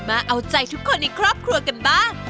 มาเอาใจทุกคนในครอบครัวกันบ้าง